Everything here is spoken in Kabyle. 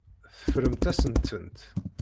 Teffremt-asen-tent.